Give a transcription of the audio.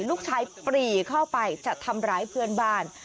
ลูกชายปรีเข้าไปจะทำร้ายเพื่อนบ้าน